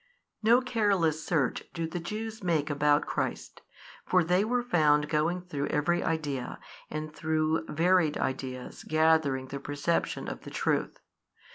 No careless search do the Jews make about Christ, for they were found going through every idea and through varied ideas gathering the perception of the truth.